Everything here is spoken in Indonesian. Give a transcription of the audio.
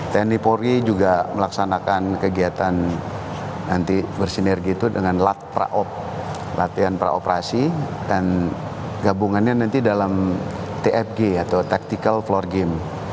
tni polri juga melaksanakan kegiatan nanti bersinergi itu dengan lak praop latihan praoperasi dan gabungannya nanti dalam tfg atau tactical floor game